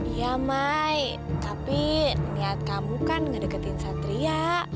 iya mai tapi niat kamu kan ngedeketin satria